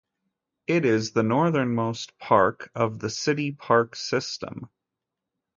It is the northernmost park of the city park system.